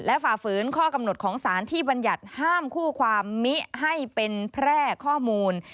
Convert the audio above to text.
ฝ่าฝืนข้อกำหนดของสารที่บรรยัติห้ามคู่ความมิให้เป็นแพร่ข้อมูล